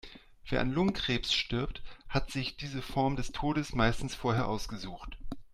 Wer an Lungenkrebs stirbt, hat sich diese Form des Todes meistens vorher ausgesucht.